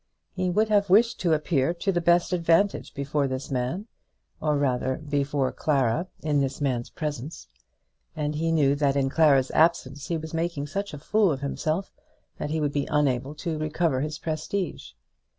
He would have wished to appear to the best advantage before this man, or rather before Clara in this man's presence; and he knew that in Clara's absence he was making such a fool of himself that he would be unable to recover his prestige.